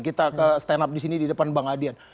kita stand up disini di depan bang adian